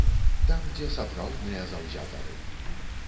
Там, дзе сапраўдныя заўзятары.